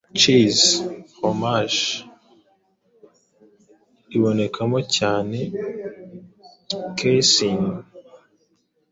Cheese/Fromage : ibonekamo cyane casein